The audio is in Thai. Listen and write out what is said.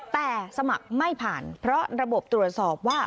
แต่สมัครไม่ผ่านเพราะระบบตรวจสอบว่า